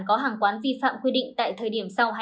có hàng quán vi phạm quy định tại thời điểm sau hai mươi một h